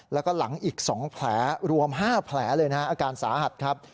แล้วก็หลังอีก๒แผลรวม๕แผลเลยนะฮะอาการสาหัสครับ